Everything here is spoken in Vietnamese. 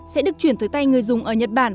sẽ được chuyển tới tay người dùng ở nhật bản